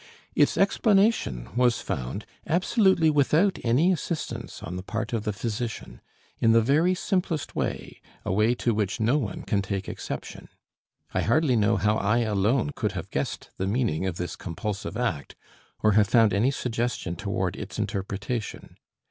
Its explanation was found, absolutely without any assistance on the part of the physician, in the very simplest way, a way to which no one can take exception. I hardly know how I alone could have guessed the meaning of this compulsive act, or have found any suggestion toward its interpretation.